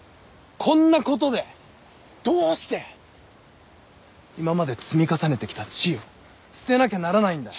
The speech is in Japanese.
こんな事でどうして今まで積み重ねてきた地位を捨てなきゃならないんだ。